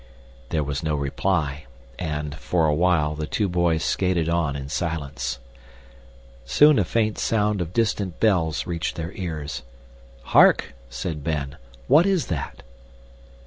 There was no reply, and, for a while, the two boys skated on in silence. Soon a faint sound of distant bells reached their ears. "Hark!" said Ben. "What is that?"